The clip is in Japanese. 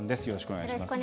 よろしくお願いします。